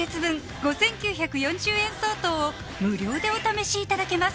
５９４０円相当を無料でお試しいただけます